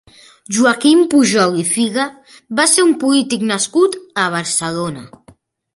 Joaquim Pujol i Figa va ser un polític nascut a Barcelona.